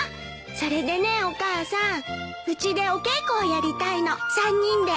それでねお母さんうちでお稽古をやりたいの３人で。